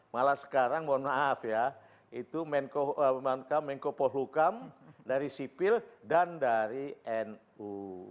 malah sekarang mohon maaf ya itu menko pohlukam dari sipil dan dari nu